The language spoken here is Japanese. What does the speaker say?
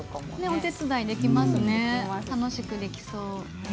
お手伝いできますね楽しくできそう。